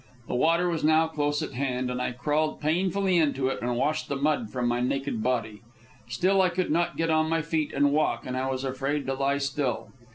The water was now close at hand, and I crawled painfully into it and washed the mud from my naked body. Still, I could not get on my feet and walk and I was afraid to lie still.